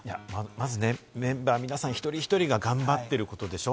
まず、メンバー皆さん、１人１人が頑張っていることでしょ。